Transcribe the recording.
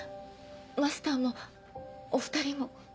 マスターもお２人も。